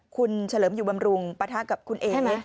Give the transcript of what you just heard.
คุณเฉลิมอยู่บำรุงปะทะกับคุณเอ๋